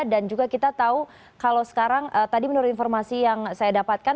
dan juga kita tahu kalau sekarang tadi menurut informasi yang saya dapatkan